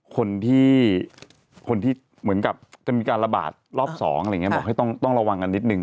คนที่เหมือนกับจะมีการระบาดรอบ๒บอกต้องระวังกันนิดหนึ่ง